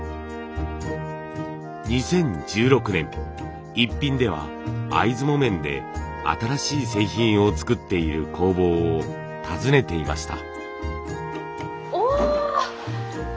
２０１６年「イッピン」では会津木綿で新しい製品を作っている工房を訪ねていました。